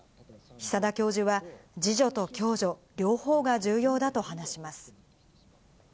久田教授は、自助と共助、両方が重要だと話します。